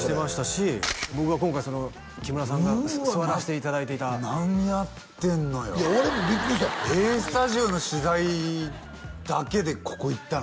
それ僕が今回木村さんが座らせていただいていた何やってんのよいや俺もビックリした「ＡＳＴＵＤＩＯ＋」の取材だけでここ行ったの？